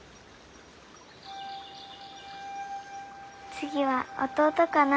次は弟かな？